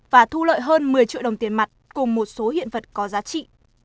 và thu lợi hơn một mươi triệu đồng tiền mặt cùng một số hiện vật có giá trị